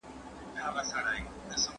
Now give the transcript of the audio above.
هغوی خپل عاید د تمې خلاف ترلاسه نه کړ.